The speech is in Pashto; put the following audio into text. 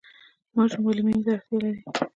ماشوم ولې مینې ته اړتیا لري؟